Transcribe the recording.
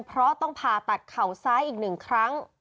เพราะต้องผ่าตัดเข่าซ้ายอีกหนึ่งครั้ง